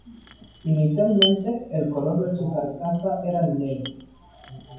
Inicialmente, el color de su carcasa era el negro.